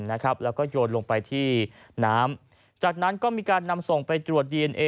แล้วก็โยนลงไปที่น้ำจากนั้นก็มีการนำส่งไปตรวจดีเอนเอ